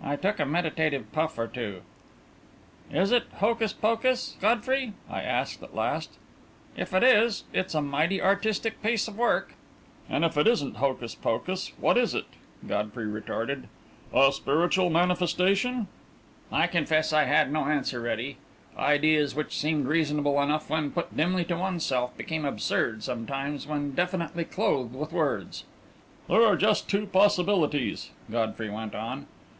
I took a meditative puff or two. "Is it hocus pocus, Godfrey?" I asked, at last. "If it is, it's a mighty artistic piece of work." "And if it isn't hocus pocus, what is it?" Godfrey retorted. "A spiritual manifestation?" I confess I had no answer ready. Ideas which seem reasonable enough when put dimly to oneself, become absurd sometimes when definitely clothed with words. "There are just two possibilities," Godfrey went on.